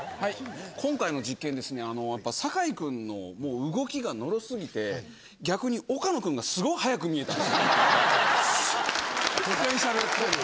今回の実験ですね酒井君の動きがのろ過ぎて逆に岡野君がすごい速く見えた。